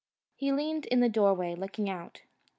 He leaned in the door way, looking out.